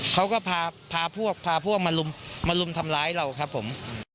เขาก็พาพวกพาพวกมารุมทำร้ายเราครับผม